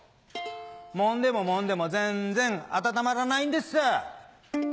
もんでももんでも全然温まらないんです！